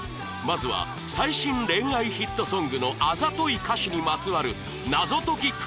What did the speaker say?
まずは最新恋愛ヒットソングのあざとい歌詞にまつわる謎解き